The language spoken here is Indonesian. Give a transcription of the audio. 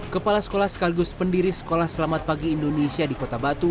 kepala sekolah sekaligus pendiri sekolah selamat pagi indonesia di kota batu